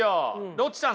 ロッチさん